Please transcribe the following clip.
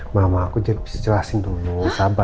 mama aku bisa jelasin dulu sabar